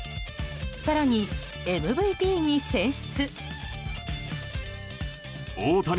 更に、ＭＶＰに選出。